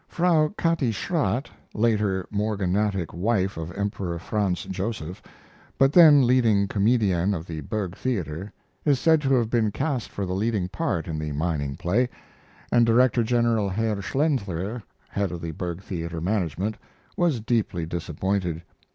Frau Kati Schratt, later morganatic wife of Emperor Franz Josef, but then leading comedienne of the Burg Theater, is said to have been cast for the leading part in the mining play; and Director General Herr Schlenther, head of the Burg Theater management, was deeply disappointed.